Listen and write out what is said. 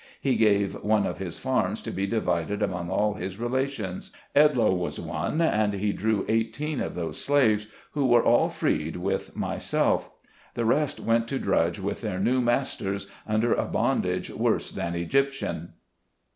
He gave one of his farms to be divided among all his relations. Edloe was one, and he drew eighteen of those slaves, who were all freed with myself. The rest went to drudge with their new masters, under a bondage worse than Egyptian.